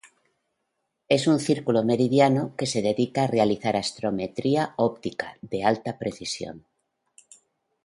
Es un círculo meridiano que se dedica a realizar astrometría óptica de alta precisión.